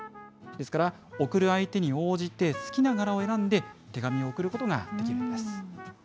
ですから、送る相手に応じて、好きな柄を選んで手紙を送ることができるんです。